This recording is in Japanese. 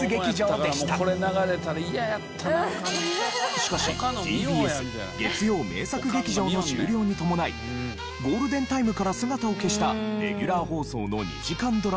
しかしＴＢＳ月曜名作劇場の終了に伴いゴールデンタイムから姿を消したレギュラー放送の２時間ドラマ枠。